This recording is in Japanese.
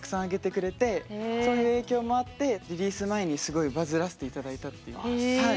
それでそういう影響もあってリリース前にすごいバズらせて頂いたっていうはい。